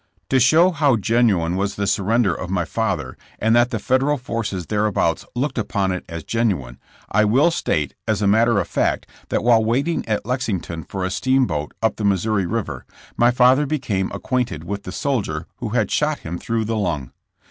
To show how genuine was the surrender of my father, and that the Fedej al forces thereabouts looked upon it as genuine, I will state, as a matter of fact, that while waiting at Lexington for a steam boat up the Missouri river, my father became ac quainted with the soldier who had shot him through the lung.